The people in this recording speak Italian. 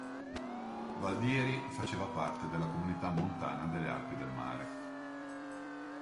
Valdieri faceva parte della comunità montana delle Alpi del Mare.